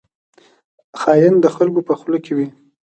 خاین د خلکو په خوله کې وي